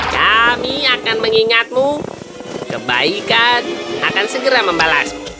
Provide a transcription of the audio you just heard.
kami akan mengingatmu kebaikan akan segera membalasmu